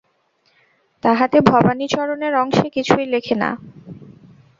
তাহাতে ভবানীচরণের অংশে কিছুই লেখে না।